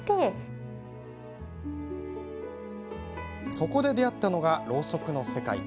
そこで出会ったのがろうそくの世界。